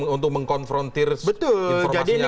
untuk mengkonfrontir informasinya awal dari siapa